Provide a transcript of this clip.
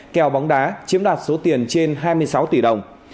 kèo bóng đá chiếm đoạt số tiền trên hai mươi sáu tỷ đồng